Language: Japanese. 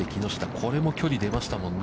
これも距離が出ましたもんね。